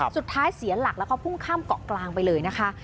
เสียหลักแล้วก็พุ่งข้ามเกาะกลางไปเลยนะคะ